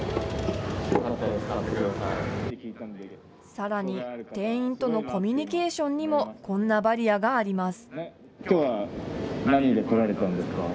さらに、店員とのコミュニケーションにもこんなバリアがあります。